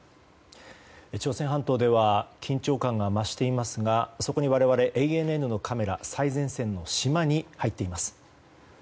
朝鮮半島では緊張感が増していますがそこに我々ＡＮＮのカメラ最前線の島に入っています。